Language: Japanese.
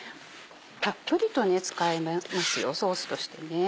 たっぷりと使えますよソースとしてね。